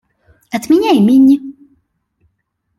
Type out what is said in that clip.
От меня и Минни.